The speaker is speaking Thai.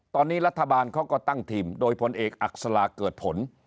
ตอนนี้รัฐบาลเขาก็ตั้งทีมโดยพลเอกอักษลาเกิดผล